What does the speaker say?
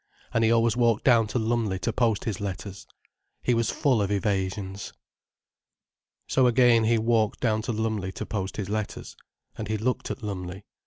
And he always walked down to Lumley to post his letters. He was full of evasions. So again he walked down to Lumley to post his letters. And he looked at Lumley.